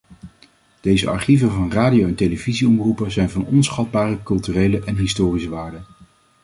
Deze archieven van radio- en televisieomroepen zijn van onschatbare culturele en historische waarde.